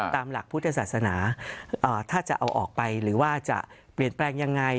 ตามหลักพุทธศาสนาถ้าจะเอาออกไปหรือว่าจะเปลี่ยนแปลงยังไง